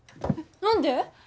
何で？